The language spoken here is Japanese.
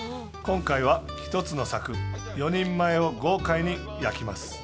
今回は、１つのさく４人前を豪快に焼きます！